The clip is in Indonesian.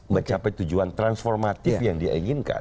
mencapai tujuan transformatif yang dia inginkan